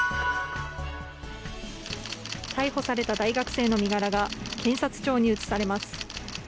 逮捕された大学生の身柄が検察庁に移されます。